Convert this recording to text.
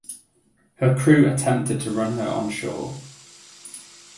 Her crew attempted to run her onshore.